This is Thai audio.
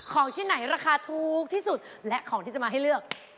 ของชิ้นไหนราคาถูกที่สุดและของที่จะมาให้เลือก